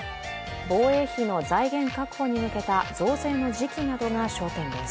防衛費の財源確保に向けた増税の時期などが焦点です。